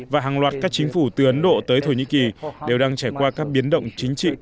và hàng loạt các chính phủ từ ấn độ tới thổ nhĩ kỳ đều đang trải qua các biến động chính trị